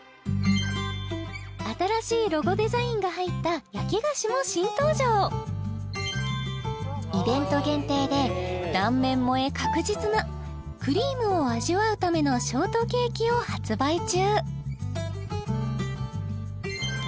新しいロゴデザインが入った焼き菓子も新登場イベント限定で断面萌え確実なクリームを味わうためのショートケーキを発売中